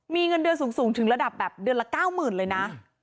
มีเงินเดือนสูงถึงระดับแบบเดือนละ๙๐๐เลยนะ